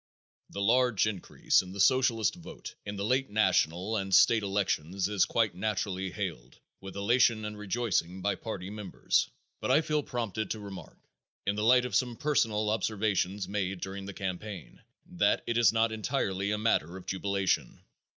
The large increase in the Socialist vote in the late national and state elections is quite naturally hailed with elation and rejoicing by party members, but I feel prompted to remark, in the light of some personal observations made during the campaign, that it is not entirely a matter of jubilation.